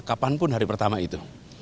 kapanpun hari pertama itu